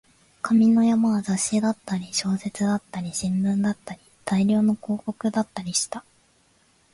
紙の山は雑誌だったり、小説だったり、新聞だったり、大量の広告だったりした